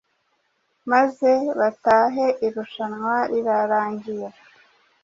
maze batahe irushanwa rirarangiye.”